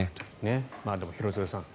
でも、廣津留さん